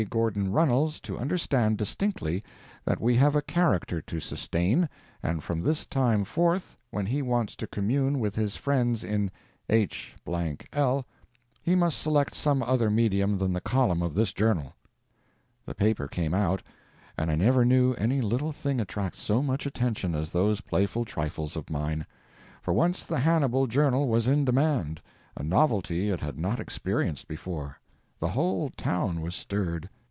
Gordon Runnels to understand distinctly that we have a character to sustain, and from this time forth when he wants to commune with his friends in h—l, he must select some other medium than the columns of this journal!" The paper came out, and I never knew any little thing attract so much attention as those playful trifles of mine. For once the Hannibal Journal was in demand—a novelty it had not experienced before. The whole town was stirred.